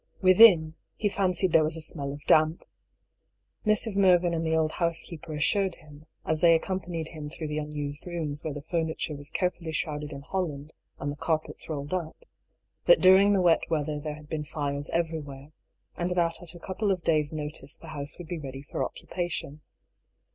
Within, he fancied there was a smell of damp. Mrs. Mervyn and the old housekeeper assured him, as they ac companied him through the unused rooms where the furniture was carefully shrouded in holland and the car pets rolled up, that during the wet weather there had been fires everywhere, and that at a couple of days' notice the house would be ready for occupation.